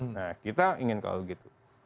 nah kita ingin kalau gitu